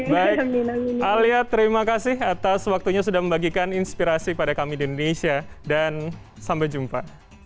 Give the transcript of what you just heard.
baik alia terima kasih atas waktunya sudah membagikan inspirasi pada kami di indonesia dan sampai jumpa